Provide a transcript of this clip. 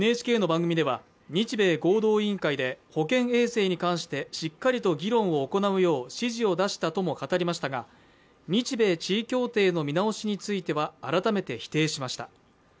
またＮＨＫの番組では日米合同委員会で保健衛生に関してしっかりと議論を行うよう指示を出したとも語りましたが日米地位協定の見直しについては改めて否定しました。